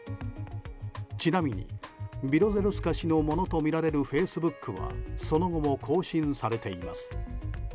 ちなみにビロゼルスカ氏のものとみられるフェイスブックはその後も更新されています。